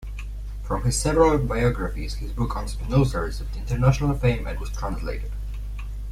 From his several biographies, his book on Spinoza received international fame, and was translated.